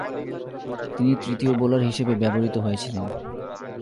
তিনি তৃতীয় বোলার হিসেবে ব্যবহৃত হয়েছিলেন।